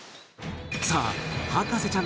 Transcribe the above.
さあ博士ちゃん